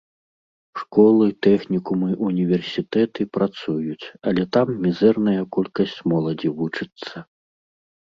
Школы, тэхнікумы, універсітэты працуюць, але там мізэрная колькасць моладзі вучыцца.